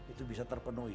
itu bisa terpenuhi